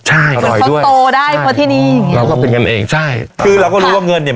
มันเข้าตัวได้เพราะที่นี้